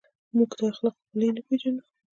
موږ د اخلاقو پولې نه پېژنو.